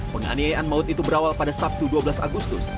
penganiayaan maut itu berawal pada sabtu dua belas agustus